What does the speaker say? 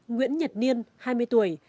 nguyễn nhật niên hai mươi tuổi